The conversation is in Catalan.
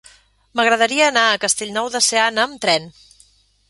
M'agradaria anar a Castellnou de Seana amb tren.